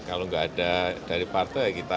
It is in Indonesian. kalau nggak ada dari partai ya kita